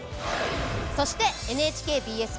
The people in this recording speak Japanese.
そしてＮＨＫＢＳ